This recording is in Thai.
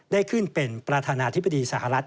ได้ขึ้นเป็นประธานาธิบดีสหรัฐ